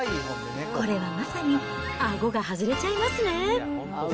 これはまさに、あごが外れちゃいますね。